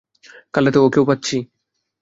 কালরাতে ওকেও পাচ্ছি?